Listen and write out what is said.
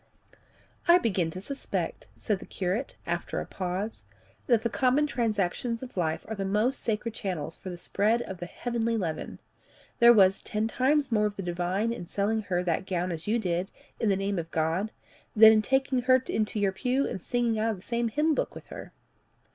"I begin to suspect," said the curate, after a pause, "that the common transactions of life are the most sacred channels for the spread of the heavenly leaven. There was ten times more of the divine in selling her that gown as you did, in the name of God, than in taking her into your pew and singing out of the same hymn book with her."